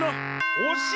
おしい！